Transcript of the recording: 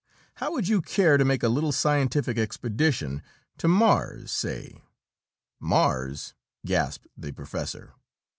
How would you care to make a little scientific expedition to Mars, say?" "Mars?" gasped the professor.